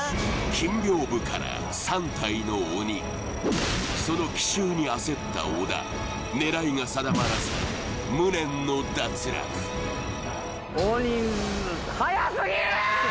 金屏風から３体の鬼その奇襲に焦った小田狙いが定まらず無念の脱落鬼はやすぎる！